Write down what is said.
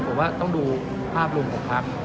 ผมว่าต้องดูภาพรวมของพัก